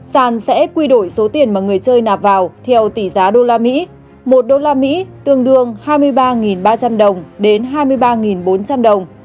sàn sẽ quy đổi số tiền mà người chơi nạp vào theo tỷ giá đô la mỹ một usd tương đương hai mươi ba ba trăm linh đồng đến hai mươi ba bốn trăm linh đồng